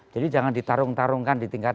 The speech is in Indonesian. jadi jangan ditarung tarungkan di tingkat